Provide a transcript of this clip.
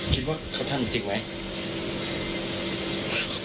คิดว่าเขาทำจริงไหม